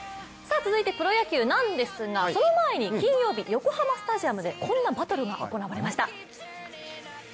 続いて、プロ野球なんですがその前に金曜日、横浜スタジアムでこんなバトルが行われました。